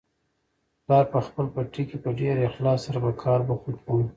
پلار په خپل پټي کې په ډېر اخلاص سره په کار بوخت و.